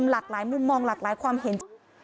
หลากหลายมุมมองหลากหลายความเห็น